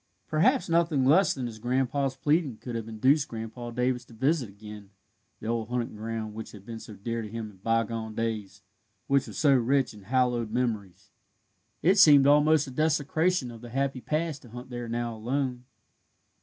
Perhaps nothing less than his grandson's pleading could have induced Grandpa Davis to visit again the old hunting ground which had been so dear to him in bygone days, which was so rich in hallowed memories. It seemed almost a desecration of the happy past to hunt there now alone.